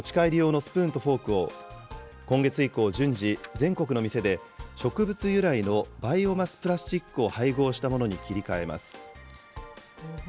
ハンバーガーチェーンでは、モスフードサービスも、持ち帰り用のスプーンとフォークを今月以降、順次、全国の店で植物由来のバイオマスプラスチックを配合したものに切り替えます。